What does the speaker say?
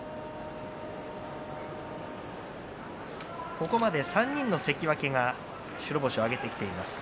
ここまで３人の関脇が白星を挙げてきています。